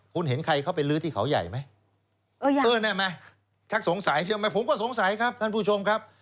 คุณเห็นใครเข้าไปลื้อที่เขาใหญ่ไหมเออได้ไหมชักสงสัยเชื่อไหมผมก็สงสัยครับท่านผู้ชมครับ